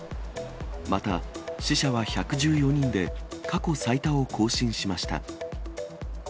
また死者は１１４人で、過去最多を更新しました。